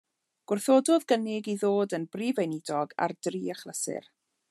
Gwrthododd gynnig i ddod yn Brif Weinidog ar dri achlysur.